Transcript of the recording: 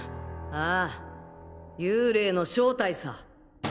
ああ幽霊の正体さ。